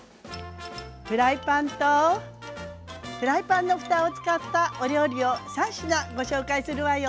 フライパンとフライパンのふたを使ったお料理を３品ご紹介するわよ。